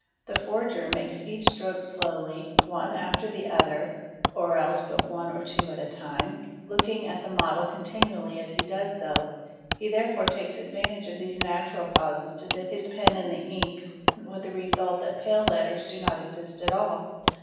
The forger makes each stroke slowly, on after the other (or else but one or two at a time) looking at the mod continually as he does so; he therefore takes advantage of these natur pauses to dip his pen in the ink with the result that pale letters do 1 n exist at all.